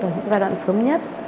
ở những giai đoạn sớm nhất